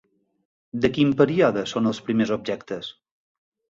De quin període són els primers objectes?